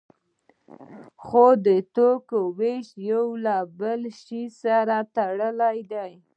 خو د توکو ویش له یو بل شی سره تړلی دی.